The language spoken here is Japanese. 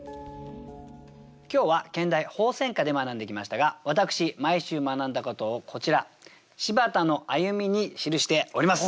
今日は兼題「鳳仙花」で学んできましたが私毎週学んだことをこちら「柴田の歩み」に記しております。